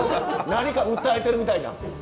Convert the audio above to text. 何か訴えてるみたいな。